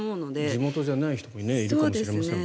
地元じゃない人もいるかもしれませんしね。